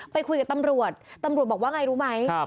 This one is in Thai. ไปคุยกับตำรวจ